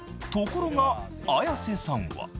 ［ところが綾瀬さんは］